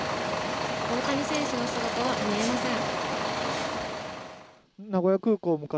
大谷選手の姿は見えません。